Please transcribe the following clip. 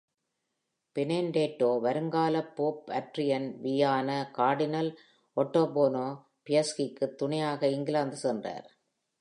Benedetto வருங்கால pope Adrian V ஆன cardinal Ottobono ஃபியஸ்கிக்குத் துணையாக இங்கிலாந்து சென்றார்.